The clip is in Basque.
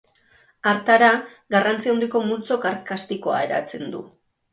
Hartara, garrantzi handiko multzo karstikoa eratzen du.